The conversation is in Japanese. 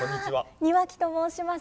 庭木と申します。